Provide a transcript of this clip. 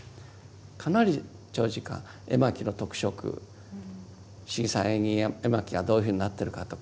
かなり長時間絵巻の特色「信貴山縁起絵巻」がどういうふうになってるかとか